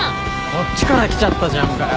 こっちから来ちゃったじゃんかよ！